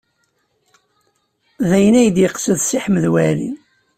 D ayen ay d-yeqsed Si Ḥmed Waɛli.